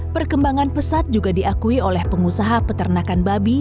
perkembangan pesat juga diakui oleh pengusaha peternakan babi